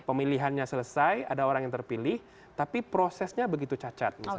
pemilihannya selesai ada orang yang terpilih tapi prosesnya begitu cacat